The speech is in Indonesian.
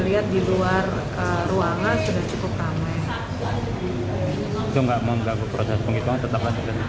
kita tidak mengganggu proses pengetahuan tetap